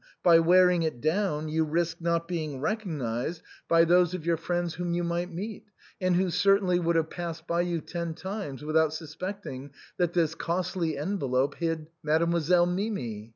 By wearing it down, you risked not being recognized by those 275 276 THE BOHEMIANS OF THE LATIN QUARTER. of your friends whom you might meet, and who certamly would have passed by you ten times without suspecting that this costly envelope hid Mademoiselle Mimi.